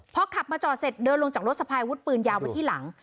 พอขับมาจอดเสร็จเดินลงจากรถสะพายวุธปืนยาวมาที่หลัง